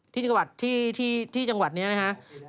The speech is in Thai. ที่จังหวัดนี้นะฮะ